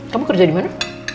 kamu kerja di mana